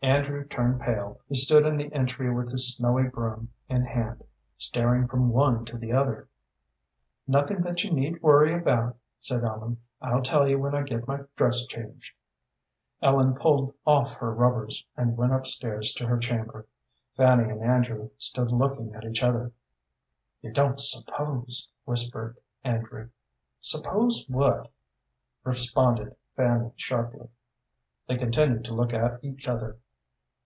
Andrew turned pale. He stood in the entry with his snowy broom in hand, staring from one to the other. "Nothing that you need worry about," said Ellen. "I'll tell you when I get my dress changed." Ellen pulled off her rubbers, and went up stairs to her chamber. Fanny and Andrew stood looking at each other. "You don't suppose " whispered Andrew. "Suppose what?" responded Fanny, sharply. They continued to look at each other.